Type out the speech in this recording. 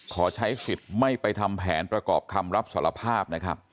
ขอใช้สิทธิ์ไม่ไปทำแผนประกอบคำรับสารภาพนะครับ